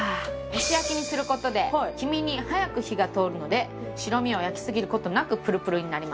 蒸し焼きにする事で黄身に早く火が通るので白身を焼きすぎる事なくプルプルになります。